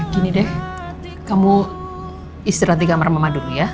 gini deh kamu istirahat di kamar mama dulu ya